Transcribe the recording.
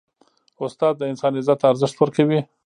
استاد د انسان عزت ته ارزښت ورکوي.